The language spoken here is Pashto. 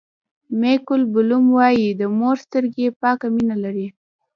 مېک البوم وایي د مور سترګې پاکه مینه لري.